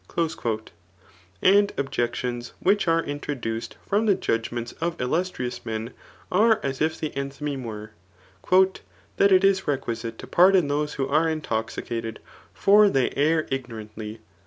J* And objections which are introduced from the judgments of illustrious men, are as if the enthfymeiile were, That it is requisite to pardon those who are intoxicated ; for they err ignorantly.